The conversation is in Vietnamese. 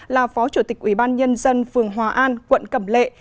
là phó chủ tịch ubnd phường hòa an quận cẩm lệ